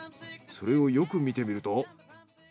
それをよく見てみると。